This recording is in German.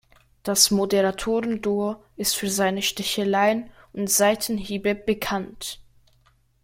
Das Moderatoren-Duo ist für seine Sticheleien und Seitenhiebe bekannt.